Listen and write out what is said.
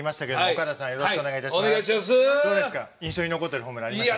岡田さん、印象に残っているホームラン、ありますか？